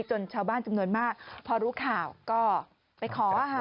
ชาวบ้านจำนวนมากพอรู้ข่าวก็ไปขอค่ะ